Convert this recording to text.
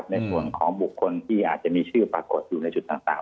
ในส่วนของบุคคลที่อาจจะมีชื่อปรากฏอยู่ในจุดต่าง